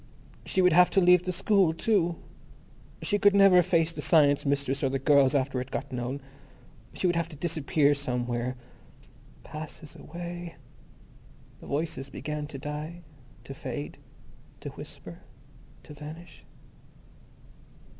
_ She would have to leave the school, too. She could never face the Science Mistress or the girls after it got known. She would have to disappear somewhere. Passes away. The voices began to die, to fade, to whisper... to vanish....